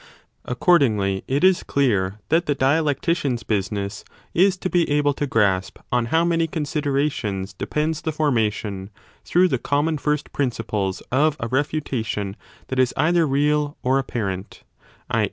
Accordingly it is clear that the dialectician s business is to be able to grasp on how many considerations depends the formation, through the common first principles, of a refutation that 10 is either real or apparent, i.